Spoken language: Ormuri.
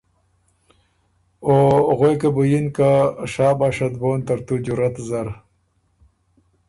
او غوېکن بُو یِن که ”شاباشت بون ترتو جرأت زر“